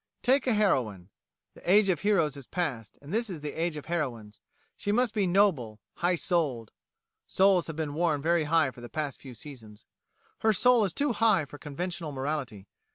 Take a heroine. The age of heroes is past, and this is the age of heroines. She must be noble, high souled. (Souls have been worn very high for the past few seasons.) Her soul is too high for conventional morality.